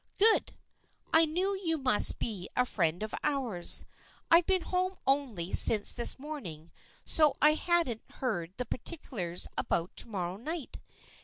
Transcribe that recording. " Good ! I knew you must be a friend of ours. I've been home only since this morning so I hadn't heard the particulars about to morrow night.